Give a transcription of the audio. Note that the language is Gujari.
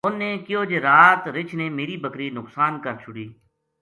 اُنھ نا کہیو جے رات رچھ نے میری بکری نُقصان کر چھُری